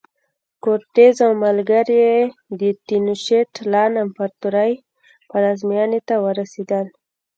کورټز او ملګري یې د تینوشیت لان امپراتورۍ پلازمېنې ته ورسېدل.